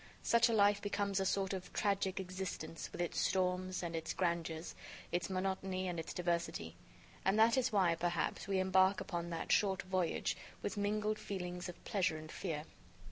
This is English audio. Such a life becomes a sort of tragic existence, with its storms and its grandeurs, its monotony and its diversity; and that is why, perhaps, we embark upon that short voyage with mingled feelings of pleasure and fear.